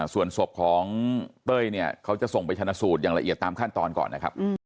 ส่วนศพของเต้ยเนี่ยเขาจะส่งไปชนะสูตรอย่างละเอียดตามขั้นตอนก่อนนะครับ